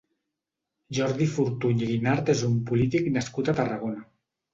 Jordi Fortuny i Guinart és un polític nascut a Tarragona.